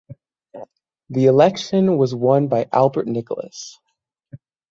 The election was won by Albert Nicholas.